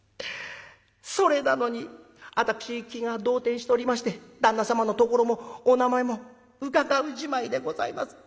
それなのに私気が動転しておりまして旦那様の所もお名前も伺うじまいでございます。